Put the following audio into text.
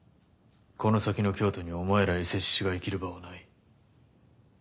この先の京都にお前らエセ志士が生きる場はない。